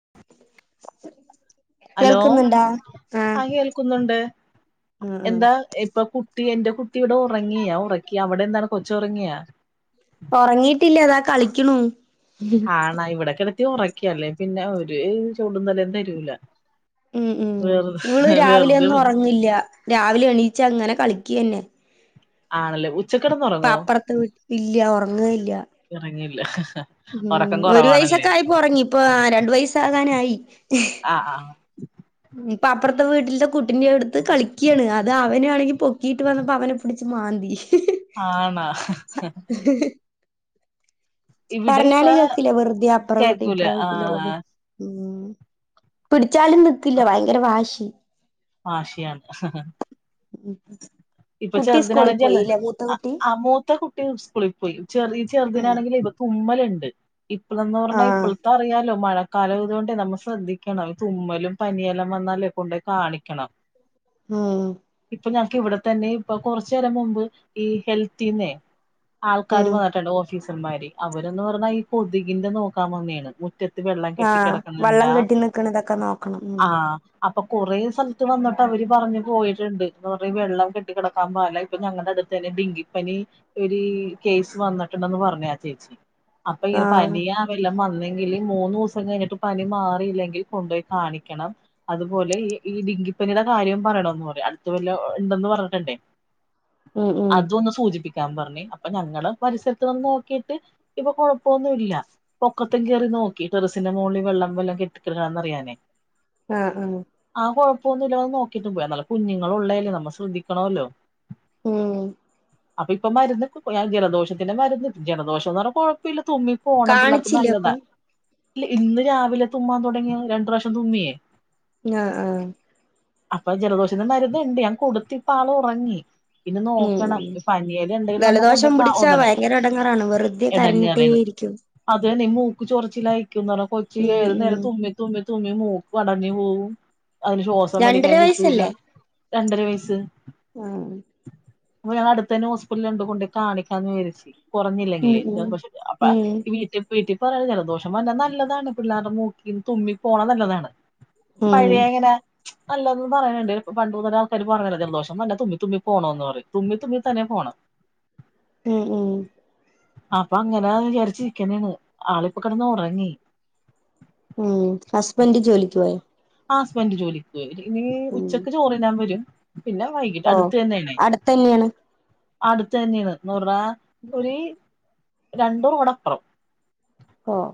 [inaudible] Hello കേൾക്കുന്നുണ്ടാ ആഹ് ആ കേൾക്കുന്നൊണ്ട് ഉം ഉം എന്താ ഇപ്പൊ കുട്ടി എന്റെ കുട്ടിട ഒറങ്ങിയ ഒറക്കി അവിടെ എന്താണ് കൊച്ച് ഒറങ്ങിയാ ഒറങ്ങീട്ടില്ല ഇതാ കളിക്ക്ണു ആണാ ഇവിടെക്കെടത്തി ഒറക്കിയല്ലേപിന്നെ ഒരു ചൂടും തല്ലേം തരൂല ഉം ഉം ങ്ങള് വെറുതെ വെറുതെ രാവിലെന്നും ഉറങ്ങില്ല്യ രാവിലെ എണീച്ചങ്ങനെ കളിക്കെന്നെ ആണല്ലേ ഉച്ചക്കിടന്നുറങ്ങോ അപ്പുറത്ത് വീട്ടി ഇല്ല ഉറങ്ങുകയില്ല ഉറങ്ങി ഉം ഒരു വയസൊക ആയപ്പോറങ്ങി ഇപ്പ രണ്ടു വയസാകാനായി ആ ആ പ്പ അപ്പർത്ത വീട്ടിൽത്തെ കുട്ടിനെ ട്ത്ത് കളിക്യാണ് അത് അവനൊണെങ്കിൽ പൊക്കിയിട്ട് വന്നപ്പോൾ അവനെ പിടിച്ച് മാന്തി ആണാ ഇവിടെ ഇപ്പ പറഞ്ഞാല് കേൾക്കില്ല വെറുതെ അപ്പ്ര വീട്ടില് കേക്കൂല ഇപ്ര ആ വീട്ടില് ഓടും ഉം പിട്ച്ചാലും നിക്കില്ല ഭയങ്കര വാശി ബാഷിയാൺ ഉം ഇപ്പൊ ചെറുതിനാണെ ജല അ അ മൂത്ത കുട്ടി സ്കൂളി പോയി ചെറിയ ഉം ചെറുതിനിനാണെങ്കില് ഇവ തുമ്മല്ണ്ട്. ഇപ്പളന്ന് പറഞ്ഞാ ആഹ് ഇപ്പൾത്തെ അറിയാലോ മഴ കാലായ്തോണ്ട് നമ്മ ശ്രദ്ധിക്കണം തുമ്മലും പനിയെല്ലാം വന്നാല് കൊണ്ടയി കാണിക്കണം. ആ ഇപ്പൊ ഞക്ക് ഇവിടെത്തന്നെ ഇപ്പൊ കുറച്ചേരം മുമ്പ് ഈ ഹെൽത്തീന്നെ ആൾക്കാര് ഉം പന്നിട്ട്ണ്ട്. ഓഫീസന്മാര് അവരന്ന് പറഞ്ഞാൽ ഈ കൊതികിന്റെ നോക്കാവന്നയാണ് മുറ്റ ത്ത് വെള്ളം കെട്ടി ആഹ് കിടക്കണ് വള്ളം ണ്ടാ കെട്ടി നിക്കണതൊക്കെ നോക്കണം ഉം ആ അപ്പൊ കൊറേ സ്ഥലത്ത് വന്നിട്ട് അവര് പറഞ്ഞഞ് പോയിട്ടുണ്ട് ന്ന് പറ ഈ വെള്ളം കെട്ടികെടക്കാ പടില്ല ഇപ്പൊ ഞങ്ങളുടെ അടുത്ത് തന്നെ ഡെങ്കിപ്പനി ഒരു കേസ് വന്നിട്ടുണ്ടന്ന് പറഞ്ഞ് ആ ചേച് ചി അപ്പൊ ഇങ്ങനെ ആഹ് പനിയാ വല്ലോം വന് ന്നെങ്കില് മൂന്നോസം കഴിഞ്ഞിട്ട് പനി മാറിയില്ലെങ്കിൽ കൊണ്ടൊയി കാണിക്കണം, അതുപോലെ ഈ ഡി ഡെങ്കിപ്പനിയുടെ കാര്യം പറയണെന്ന് പറയും അട്ത്ത് വല്ലോം ഇണ്ടന്ന് പറ യണ്ടെ ഉം ഉം അതൊന്ന് സൂചിപ്പി ക്കാൻ പറഞ്ഞ് അപ്പം ഞങ്ങളെ പരിസരത്ത് വന്ന് നോക്കിട്ട് ഇപ്പൊ കൊഴപ്പൊന്നുല്ല പൊക്കത്തി കേറി നോക്കി ടെറിസിന്റെ മുകളിൽ വെള്ളം വല്ലം കെട്ടികേടാക്കണോന്നറിയാനേ ആ ആ പ്പോന്ന്ല്ല വന്ന്ക്കിട്ട് പോയി എന്നാലും കുഞ്ഞുങ്ങൾ ഉള്ളേല്ലേ നമ്മൾ ശ്രദ്ധിക്കണല്ലോ ഉം അപ്പൊ ഇപ്പൊ മരുന്ന് കൊ ജലദോഷത്തിന്റെ മരുന്ന് ജലദോഷം ന്ന് പറഞ്ഞാ കൊയ്പ്പല്ല തുമ്മി പോണം പിള്ളേർക്ക് കാണിച്ചില്ലേ നല്ലതാ അപ്പം ഇല്ല ഇന്ന് രാവിലെ തുമ്മാ തുടങ്ങിയ രണ്ട്രാഷ്യം തുമ്മിയേ ആ ആ അപ്പൊ ജലദോഷംത്തിന് മര്ന്ന്ണ്ട് ഞാൻ കൊടുത്തിപ്പ ആള് ഉറങ്ങി. ഇനി ഉം നോക്കണം പനിയെല്ലാം ഉണ്ടെങ്കിൽ നമ്മ കൊണ്ടേ ദലദോഷം കാ- പിടിച്ചാ ഉടനെ ഭയങ്കര ഇടങ്ങറാണ് വെറുതെ കരഞ്ഞിട്ടേ രിക്കും ഞാനെ മൂക്ക് ചൊറച്ചിലായിരിക്കുന്നറഞ് കൊച്ച് ഉം ഏത് ഉം നേരം തുമ്മി തുമ്മി തുമ്മി മൂക്കടഞ്ഞു പോഗും അതിന് ശ്വാസം രണ്ടര വലിക്കാൻ വയസ്സല്ലേ കിട്ടൂല്ല രണ്ടര വയസ് ആഹ് അപ്പൊ ഞാ അടുത്തന്നെ ഹോസ്പിറ്റല്ണ്ട് കൊണ്ടോയി കാണിക്കാന്ന് വിചയ്രിച്ച് ഉം കുറഞ്ഞില്ലെങ്കിലെ ഉം ഞാൻ പക്ഷ അപ്പൊ ഉം വീട്ടിപൊയിട്ടെ പറയ ജലദോഷം വർണ് നല്ലതാണ് പിള്ളേർടെ മൂക്കിന്ന് തുമ്മി പോണത് നല്ലതാണ് ഉം പഴയ അങ്ങനെ ച്ച് നല്ലദ്ന്ന് പറയാണണ്ട് പണ്ടുമുതലേ ആൾക്കാര് പറയാണ ജലദോഷ [unintelligible] തുമ്മിതുമ്മി പോണോന്ന്പറയും തുമ്മിത്തുമ്മി തന്നെ പോണം. ഉം ഉം അപ്പ അങ്ങനെ വിചാരിച്ചിക്കണാണ്. ആളിപ്പൊ കിടന്നുറങ്ങി ഉം ഹസ്ബൻഡ് ജോലിക്ക് പോയോ? ആ ഹസ്ബൻന്റ് ജോലിക്ക് പോയി. ഇനി ഉം ഉച്ചയ്ക്ക് ചോറിന്നാൻ വരും പിന്നെ വൈകിട്ട് ഓഹ് അടുത്ത് തന്നെയാണേ അടുത്തന്നെയാണ് അടുത്തന്നെണ് ന്നുർണ്ണാ ഒരി രണ്ടുറോടപ്പ്‌റം ആഹ്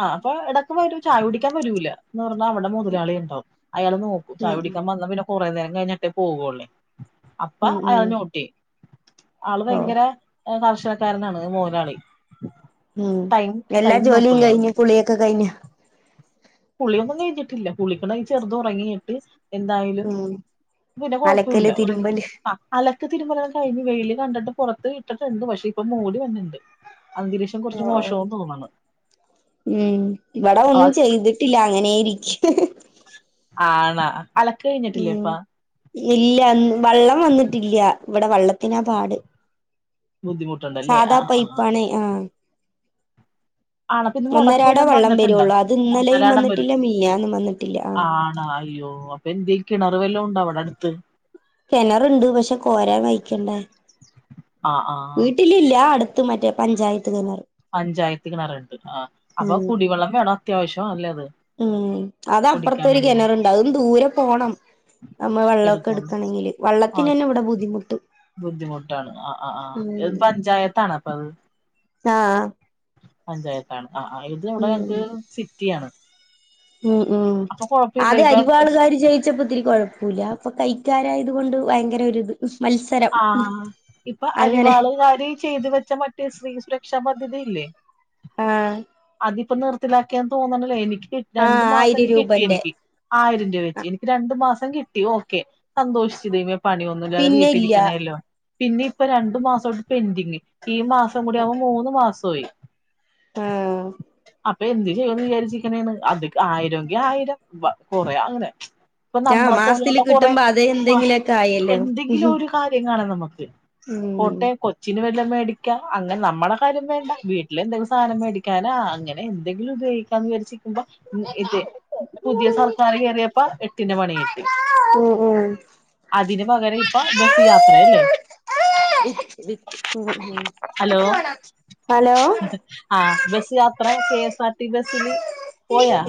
ആ അപ്പൊ ഇടക്ക് വരും ചായ കുടിക്കാൻ വരൂല എന്ന് റഞ്ഞാ അവിടെ മൊ മൊലാളി ഉണ്ടാവും അയാൾ നോക്കും ഉം ചായ കുടിക്കാൻ ഉം വന്നാ പിന്നെ കുറെ നേരം കഴിഞ്ഞിട്ടേ പോകുള്ളേ അപ്പ ഉം അയാൾ ഉം നോട്ടിയ്യും ആള് ഓഹ് ഭയങ്കര കർശനക്കാരനാണ് മോയലാളി ഉം എല്ലാ ജോലിയും അയാള് കഴിഞ്ഞു കുളിയൊക്കെ കഴിഞ്ഞോ കുളിയൊന്നും കഴിഞ്ഞിട്ടില്ല കുളിക്കണം ചെറ്ത് ഉറങ്ങിയിട്ട് എന്തായാലും ഉം പിന്നെ അലക്കല് കുഴപ്പുല്ല തിരുമ്പല് ആ അല്ല തിരുമ്പലൊക്കെ കഴിഞ്ഞ് വെയിയില് കണ്ടിട്ട് പുറത്ത് ഇട്ടിട്ടുണ്ട് പക്ഷെ ഇപ്പ മൂടി വന്നിണ്ട് അന്തരീക്ഷം കുറച്ച് മോശവും തോന്ന്ണ് ഉം ഇവിടെ ഒന്നും ചെയ്തിട്ടില്ല അങ്ങനെയിരിക്കാ ആണാ? അലക്ക് ഉം കഴിഞ്ഞിട്ടില്ലേപ്പാ ഇല്ല! വള്ളം വന്നിട്ടില്ല ഇവിടെ വള്ളത്തിനാ പാട് ബുദ്ധിമുട്ടുണ്ടല്ലേ സാദാ ആഹ് ആഹ് പൈപ്പാണെ ആ ആണ പിന്നെ ഒന്നരാട മുടക്കുവല്ലോം വെള്ളം തന്നിട്ടുണ്ടാ വരുള്ളൂ അത് ഇന്നലെയും ഒന്നരാടം വരും വന്നിട്ടില്ല മിനിഞ്ഞാന്നും വന്നിട്ടില്ല ആഹ് ആണോ? അയ്യോ അപ്പൊ എന്തെ കിണറ് വല്ലോം ഉണ്ടൊ അവിടെ അടുത്ത്? കിണറുണ്ട്! പക്ഷെ കോരാൻ വയിക്കണ്ടേ ആ ആ വീട്ടിലില്ല അടു അത് മറ്റേ പഞ്ചായത്ത് കിണർ പഞ്ചായത്ത് കിണറുണ്ട് ആ അപ്പൊ ഉം കുടിവെള്ളം വേണം അത്യാവശ്യം ആല്ലെത്? ഉം അത് അപ്പറത്ത് ഒരു കിണറുണ്ട് അതും ദൂരെ പോണം നമ്മ വെള്ളൊക്കെ എടുക്കാൻ എടുക്കണെങ്കില് ആ വള്ളത്തിനന്നെ ഇവിടെ ബുദ്ധിമുട്ട് ബുദ്ധിമുട്ടാണ് ആ ആആ ഇത് പഞ്ചായത്താണോ പ്പത് ആഹ് പഞ്ചായത്താണ് ആ ഇത് ഇവിടെ ഞങ്ങക്ക് സിറ്റിയാണ് ഉം ഉം അപ്പൊ കൊഴപ്പില്ല ആതെ ഇപ്പൊ അരിവാളുകാര് ജയിച്ചപ്പോ ഇത്തിരി കുഴപ്പം പുല ഇപ്പൊ കൈക്കാരായത് കൊണ്ട് ഭയങ്കര ഒരിത് മത്സരം ആ ഇപ്പൊ അങ്ങനെ അരിവാളുകാര് ചെയ്തു വെച്ച മറ്റേ ശ്രീ സുര രക്ഷാ പദ്ധതി ഇല്ലേ? ആഹ് അതിപ്പോ നിർത്തിലാക്കിയെന്ന് തോന്നണല്ലെ എനിക്ക് രണ്ടു ആഹ് മാസംനി ആയിരം രൂപന്റെ കിട്ടിയെനിക്ക് ആയിരം രൂ വെച്ച് എനിക്ക് രണ്ടു മാസം കിട്ടി ഓക്കെ സന്തോഷിച്ച് പണിയൊന്നുമല്ലാതെ പിന്നെ വീട്ടിലി ഇല്ല പിന്നെ ഇപ്പൊ രണ്ടു മാസോട്ട് പെന്ഡിങ് ഈ മാസം കൂടി ആവുമ്പൊ മൂന്ന് മാസോയി ആഹ് അപ്പൊ എന്ത് ചെയ്യൊന്ന് വിചാരിച്ചരിക്കനേണ് അത് ആയിരംങ്കിആയിരം കൊറയാ അങ്ങനെ ഇപ്പൊ ആഹ് നമ്മളെ മാസത്തില് പോലെയുള്ള കൊറെ കിട്ടുമ്പോ അത് മാസ് എന്തെങ്കിലുമൊക്കെ ആയല്ലോ ഉം എന്തെങ്കിലും ഒരു കാര്യങ്ങളാണ് നമ്മക്ക് പോട്ടെ കൊച്ചിനു വല്ല മേടിക്കാ അങ്ങനെ നമ്മുടെ കാര്യം വേണ്ട വീട്ടിൽ എന്തെിലും സാധനം മേടിക്കാനാ അങ്ങനെ എന്തെങ്കിലും ഉപയോഗിക്കാന്ന് വിചാരിച്ച് ഉം ഇപ്പഇത് പുതിയ സർക്കാർ കേയറിയപ്പ എട്ടിന്റെ പണി കിട്ടി ഉം ഉം അതിന് പകരം ഇപ്പൊ ബസ് യാത്രയല്ലേ? ഉം ഉം ഹലോ ഹലോ ആ ബസ് യാത്ര കെ എസ് ആർടി ബസില് പോയാ?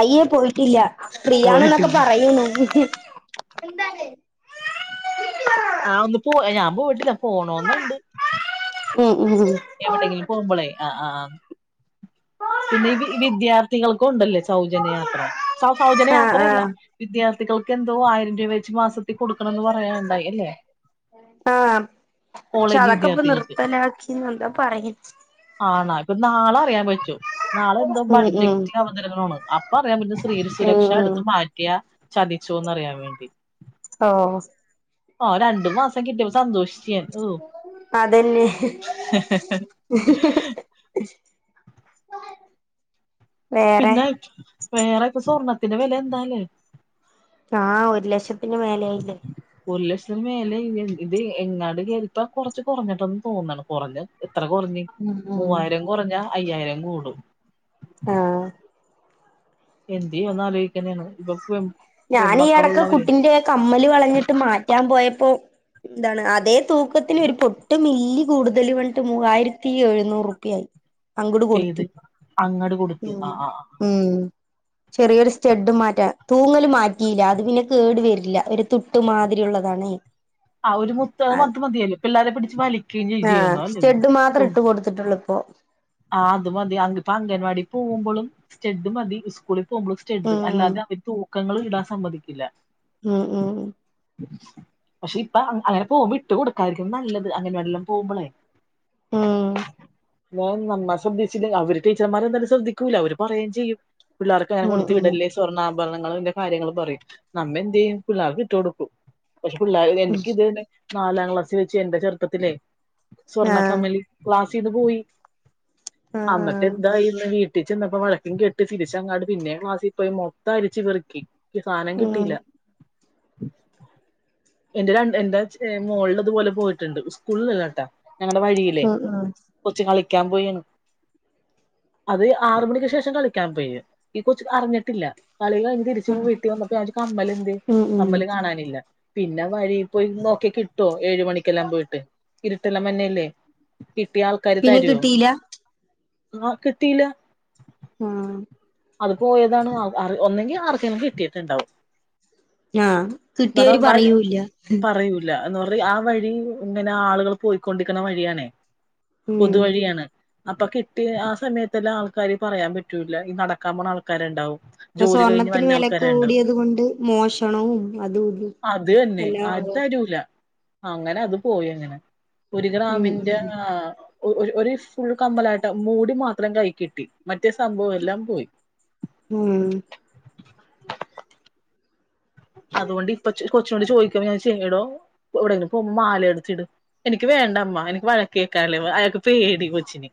അയ്യേ പോയിട്ടില്ല പ്രിയ എന്ന്ന്നൊക്കെ പോയിട്ടില്ല പറയുണു ആഹ് ഒന്ന് പോ ഞാൻ പോയിട്ടില്ല പോണോന്ന്ണ്ട് ഉം ഉം എവിടെങ്കിലും പോകുമ്പോളേ ആ ആ ആ പിന്നെ വിദ്യാർത്ഥികൾക്കുണ്ടല്ലേ സൗജന്യയാത്ര സ ആഹ് സൗജന്യയാത്രല്ല ആഹ് വിദ്യാർത്ഥികൾക്ക് എന്തോ ആയിരം രൂപ വെച്ച് മാസത്തിൽ കൊടുക്കണം എന്ന് പറയേണ്ടായി അല്ലെ? ആഹ് പക്ഷെ അതൊക്കെ ഇപ്പൊ വിദ്യാർത്ഥികൾക്ക് നർത്തലാക്കിന്ന് എന്താ പറയണ്ട് ആണാ ഇപ്പൊ നാളെ അറിയാൻ പറ്റും നാളെ എന്തോ ഉം ഉം ബഡ്ജറ്റ് അവതരണാണ് ഇപ്പൊ അറിയൻ പറ്റും സ്ത്രീ ഉം സുരക്ഷ ഉം എടുത്ത് മാറ്റിയാ ചതിച്ചോന്ന്റിയാൻ വേണ്ടി ഓഹ് ആ രണ്ടു മാസം കിട്ടിയ പ്പോ സന്തോഷിച്ചു അതെന്നെ ഹ് ഹ് പിന്നെ വേറൊ ക്കെ സ്വർണത്തിന്റെ വില എന്താലേ ആഹ ഒരു ലക്ഷത്തിന് മേലെആ യില്ലേ ന് മേലെ ഇത് എങ്ങാട് കേരുത്താ കുറച്ച് കുറഞ്ഞിട്ടന്ന് തോന്നാണ് കുറഞ്ഞ എത്ര കുറഞ്ഞഞ് ഉം ഉം മൂവായിരം കുറഞ്ഞ അയ്യായിരം കൂടും. ആഹ എന്ത്‌ ചെയ്യും എന്ന് ആലോചിക്കന്നെയാണ് ഇപ്പൊ ഞാൻ ഈ അടക്ക പെൺമക്കളുള്ളവര് കുട്ടിന്റെ കമ്മല് വളഞ്ഞിട്ട് മാറ്റാൻ പോയപ്പോ എന്താണ് അതെ തൂക്കത്തിന് ഒരു പൊട്ട് മില്ലി കൂടുതൽ മൂവായിരത്തി എഴുന്നൂറ് രൂപ്യആയി അങ്ങട് ഏത് കൊടുത്തു അങ്ങട് കൊടുത്ത് ഉം ആ ആ ആ ഉം ചെറിയൊരു സ്റ്റെഡ് മാറ്റാൻ തൂങ്ങ മാറ്റിയില്ല അത് പിന്നെ കേടു വരില്ല ഒരു തു ട്ട് മാതിരി ഉള്ളതാണേ ആ ഒരു മുത്ത് അത് മത് മതിയല്ലോ പിള്ളേരെ പിടിച്ച് വലിക്കുകയും ചെയ്- ആഹ ചെയ്യുന്നു അല്ലേ സ്റ്റെഡ് മാത്രം ഉം. ഇട്ട് കൊടുത്തിട്ടുള്ളൂ ഇപ്പൊ ആ അത്‌ മതി അവൻ പ്പോ അംഗനവാടി പോകുമ്പോയും സ്റ്റഡ് മതി സ്കൂളിൽ സ്റ്റഡ് ഉം അല്ലാതെ അവർ തൂക്കങ്ങൾ ഇടാൻ സമ്മതിക്കില്ല ഉം ഉം ഉ പക്ഷെ ഇപ്പൊ അങ്ങനെ പോകുമ്പോ ഇട്ട് കൊടുക്കായിരിക്കുന്നതാണ് നല്ലത് അംഗണനവാ ടി കൾ പോകുമ്പോളേ ഉം [unintelligible] നമ്മൾ ശ്രദ്ധിച്ചില്ല അവര് ടീച്ചർമാരെ എന്തായാലും ശ്രദ്ധിക്കൂല്ല അവര് പറയുകയും ചെയ്യും പിള്ളേർക്കും അങ്ങന ഉം കൊടുത്തു ഉം വിടല്ലേ സ്വർണ ഭരണം ന്റെ കാര്യങ്ങൾ പറയും നമ്മ എന്ത് ചെയ്യും പിള്ളേർക്ക് ഇട്ട കൊടുക്കും പക്ഷെ പിള്ളേർ ഉം എനക്ക് ഇത് തന്നെ നാലാം ക്ലാസ്ൽ വെച്ച എന്റെ ചെറുപ്പത്തിലേ സ്വർണ്ണ ആഹ് കമ്മലി ക്ലാസ്ന്ന് പോയി ആഹ് അന്നട്ട് ആഹ് എന്തായി ന്ന് വീട് വീട്ടീ ചെന്നപ്പോ വഴക്കും കേട്ട് തിരിച്ചങ്ങാട്ട് പിന്നെ യും ക്ലാസ്സിൽ കേറി മൊത്തം അരിച്ചു പെറുക്കി സാധനം ഉം കിട്ടില്ല എന്റെ രണ്ട് എൻന്റെ മോളഡെത് അതുപോലെ പോയിട്ടുണ്ട് സ്കൂളല്ലാട്ടാ ഞങ്ങളുടെ വഴില്ലേ ഉം ഉം കൊച് കളിക്കാൻ പോയിന് അത് ആറുമണിക്ക് ശേഷം കളിക്കാൻ പോയി ഈ കൊച്ച് അറിഞ്ഞിട്ടില്ല കളിക കഴിഞ് തിരിച്ച് വീട്ടി വന്നപ്പോ കമ്മല് എന്തേ ഉം ഉം കമ്മല് കാണാനില്ല പിന്നെ വഴി പോയി നോക്കി കിട്ടുവോ ഏഴ മണിക്കെല്ലാം പോയിട്ട് ഇരുട്ടെല്ലാം വരനെല്ലേ കിട്ടിയ ആൾക്കാര് പിന്നെ തരുവോ കിട്ടിയില്ല ആ കിട്ടീല്ല ആഹ അത് പോയതാണ് ഒന്നെങ്കി ആർക്കെങ്കി ലും കിട്ടിയിട്ട്ണ്ടാവും ആ കിട്ടിയവര് പറയൂല്ല എ പറ ആ വഴി ഇങ്ങനെ ആളുകൾ പോയിക്കൊണ്ടിരിക്കുന്ന വഴിയാണെ ഉം പൊതുവഴിയാണ് അപ്പൊ കിട്ടി ആ സമയത്തെല്ലാം ആൾക്കാര് പറയാൻ പറ്റൂല്ല ഈ നടക്കാൻ പോണ ആൾക്കാണ്ടാവും ഇപ്പൊ സ്വർണത്തിന് വിലക്ക കൂ ടിയത് കൊണ്ട് മോഷണവും അതും ഇതും അത് തന്നെ എല്ലാ ആരും ഓരോ തരൂല അങ്ങനെ അത് പോയി അങ്ങനെ ഒരു ഗ്രാമിന്റെ ഉം ആ ഒരു ഫുൾ കമ്മ ലാ യിട്ട് മൂടി മാത്രം കൈ കിട്ടി മറ്റേ സംഭവം എല്ലാം പോയി ഉം അതുകൊണ്ട് ഇപ്പൊ കൊച്ചുനോട്‌ ചോദിക്കോ ഞാൻ ചെയ്യടോ എവിടെങ്ങനെ പോകുമ്പോ മാല എടിച്ചിട്ട എനിക്ക് വേണ്ടമ്മ എനിക്ക് വഴക്ക കേക്കാല്ലേ അയാക്കെ പേടികൊച്ചിന്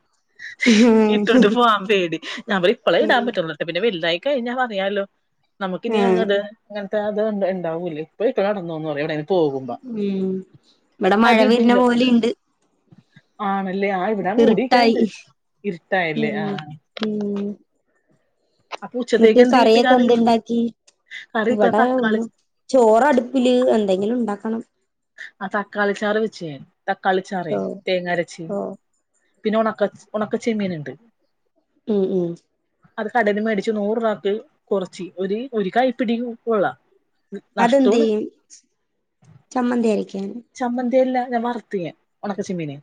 ഉം ഇട്ടൊണ്ട് പോവാൻ പേടി ഞാൻ ഇപ്പോളേ ഇടാൻ പറ്റള്ളട്ടെ പിന്നെ വെൽതായി കഴിഞ്ഞാ പറയാലോ നമുക്കിനി ആഹ് അങ്ങട് അത്ണ്ടാവില്ല ഇപ്പ ഇട്ട് നടന്നോന്നന്ന് പറയും പോകുമ്പോ ഉം ഇവിടെ മഴ വരുന്ന അതിടൂല പോലെയുണ്ട് ആണല്ലേ ആ ഇവിടാന്ന് മൂ ടി ക്കണ്ട് ഇരുട്ടായി ഇരുട്ടായല്ലേ ഉം ആഹ ഉം എന്നിട്ട് എന്ത് കിട്ടി കറിയൊക്കെ കറി എന്ത്‌ ഇണ്ടാക്കി. കറി ഇപ്പ ഇവിടെ തക്കാളി ഒന്ന് ചോറടുപ്പില് എന്തെങ്കിലും ഉണ്ടാക്കണം. ആ തക്കാളി ചാറ് വെച്ച്ഞൻ തക്കാളിച്ചാറ് ഓ തേങ്ങരച്ചി. ഓ പിന്നെ ഉണക്ക ഉണക്കച്ചെമ്മീൻ ഉണ്ട്. ഉം ഉം അത് കടല് മേടിച്ച്. നൂറ് രൂപക്ക്. കുറച്ച് ഒരു ഒരു കായ് പിടി കൊള്ളാ. അത് അതന്ത്ചൊയും. ചമ്മന്തിഅരകും. ചമ്മന്തിയല്ല ഞാൻ വറുത്ത് യ ഉണക്ക ചെമ്മീന്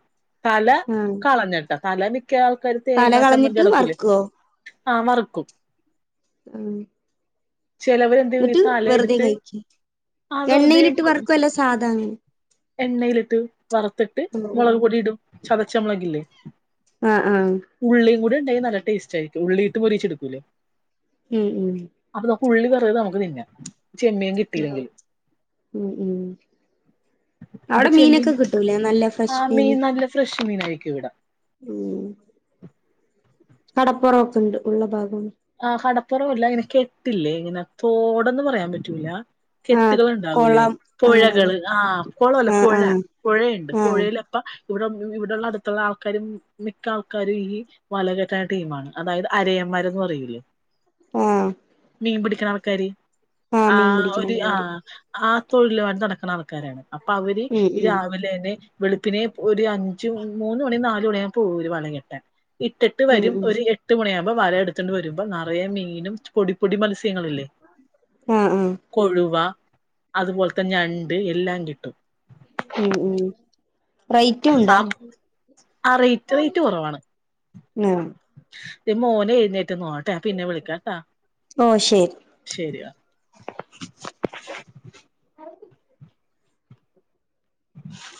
തല ആഹ് കളഞ്ഞിട്ട്. തല ഒക്ക ആൾക്കാര് തല തേങ്ങാ ചമ്മന്തി കളഞ്ഞിട്ട് അടക്കൂലൊ വറക്കുവോ ആഹ് മറക്കും ആഹ ചെയ്യും ഈ എന്നിട്ട് തല വെറുതെ എടുത്ത് കഴിക്ക ആ വെറുതെ എണ്ണയിലിട്ട് വർക്കുംല്ല. സാധാ എണ്ണയിലിട്ട് വറുത്തിട്ട്. മുളക് പൊടി ഇടും ചതച്ച മുളകില്ലേ. ആഹ ആഹ എ നല്ല ടേസ്റ്റ് ആയിരിക്കും ഉള്ളി ഇട്ട് പൊരിയിച്ച എടുക്കൂല്ലേ. ഉം ഉം പുള്ളി പറയത് നമുക്ക് തിന്ന ചെമ്മിയൻ കിട്ടിയില്ലെങ്കിൽ. ഉം ഉം ഇപ്പ അവിടെ ചെമ്മീൻ മീനൊക്കെ കിട്ടൂലേ നല്ല ആ ഫ്രഷ് മീൻ മീന് നല്ല ഫ്രഷ് മീൻ ആയിരിക്കും ഇവിടോ. ഉം കടപ്പുറൊക്കെ ഉണ്ട് ഉള്ള ഭാഗം. ആഹ കടപ്പുറംല്ല അങ്ങനെ കെട്ടില്ലേ? ഇങ്ങനെ തോടന്ന് പറയാൻ പറ്റൂല. ആഹ് കെട്ടുകൾ ഉണ്ടാവൂലേ കൊളം അങ്ങനെയൊക്കെ പുഴകള്. ആഹ് കുളല്ല ആഹ് പുഴ ആഹ് പുഴയുണ്ട്. ആഹ് പുഴയിലപ്പ ഇവിടെ ഇവിടെള്ള അടുത്തുള്ള ആൾക്കാരും മിക്ക ആൾക്കാരും. ഈ വലകറ്റായ ടീണ് അതായത്. അര [unintelligible] പറയില്ലേ ആഹ മീൻ പിടിക്ക ആൾക്കര് ആ പിടിക്കണ ആൾക്കാര് ആ തൊഴില് ആയിട്ട് നടക്കുന്ന ആൾക്കാരാണ്. അപ്പൊ അവര് ഉം ഈ ഉം രാവിലെ ന്നെ. വെളുപ്പിനെ ഒരു അഞ്ചു മൂന്ന് മണി നാലല് മണിയാ പോ ഒരു വല കെട്ടാൻ. ഇട്ടിട്ട് ഉം വരും ഉം ഒരു എട്ട് മണിയാകുമ്പോ വല എടുത്തിണ്ട്. വരുമ്പോ നിറയെ മീനും പൊടി പൊടി മത്സം. [unintelligible] ല്ലേ ആഹ് ആഹ് കൊഴുവ അതുപോലെ തന്നെ ഞണ്ട് എല്ലാം കിട്ടും. ഉം ഉം റൈറ്റും ആ ഉണ്ടാ ആ റേറ്റ് റേറ്റ് ആ ഇ മോന എഴുന്നേറ്റു നോട്ടെ പിന്നെ വിളിക്കാട്ടാ ഓ ശരി ശരിന [unintelligible] [unintelligible]